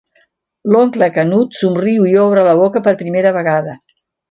L'oncle Canut somriu i obre la boca per primera vegada.